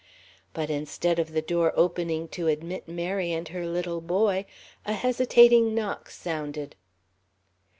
But instead of the door opening to admit Mary and her little boy, a hesitating knock sounded.